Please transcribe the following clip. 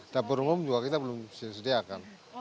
dapur umum juga kita belum sediakan